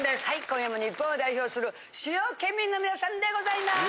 今夜も日本を代表する主要県民の皆さんでございます！